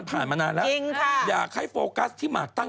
เขากลับตอน๒๒ประสบการณ์